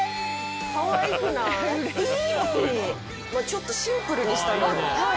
ちょっとシンプルにしたのよ。